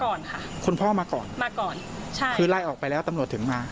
ก่อนค่ะคุณพ่อมาก่อนมาก่อนใช่คือไล่ออกไปแล้วตำรวจถึงมา